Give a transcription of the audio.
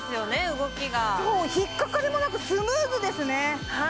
動きがそう引っかかりもなくスムーズですね